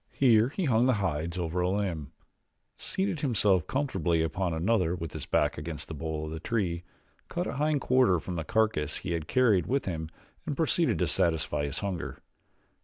Here he hung the hides over a limb, seated himself comfortably upon another with his back against the bole of the tree, cut a hind quarter from the carcass he had carried with him and proceeded to satisfy his hunger.